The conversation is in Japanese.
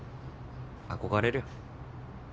憧れるよ。